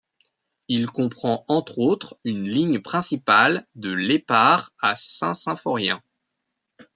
Il comprend entre autres une ligne principale de Lesparre à Saint-Symphorien.